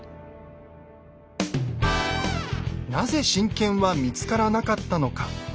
なぜ神剣は見つからなかったのか。